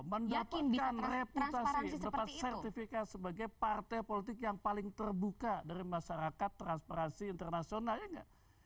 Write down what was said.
mendapatkan reputasi mendapatkan sertifikat sebagai partai politik yang paling terbuka dari masyarakat transparansi internasional ya nggak